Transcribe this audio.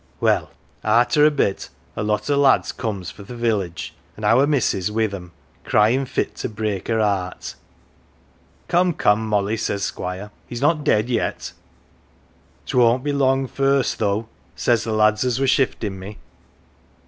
1 "Well, arter a bit, a lot o 1 lads comes fro 1 th 1 village, an 1 our missus wi 1 them, cryin 1 fit to break her ""cart. "' Come, come, Molly, 1 says Squire, ' he^ not dead yet. 1 ' "T won't be long first, though, 1 says th 1 lads as were shiftin 1 me.